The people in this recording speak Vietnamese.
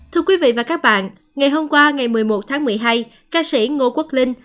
thưa quý vị và các bạn ngày hôm qua ngày một mươi một tháng một mươi hai ca sĩ ngô quốc linh